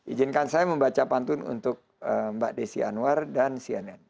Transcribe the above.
izinkan saya membaca pantun untuk mbak desi anwar dan cnn